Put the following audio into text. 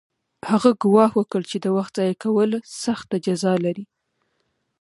هغه ګواښ وکړ چې د وخت ضایع کول سخته جزا لري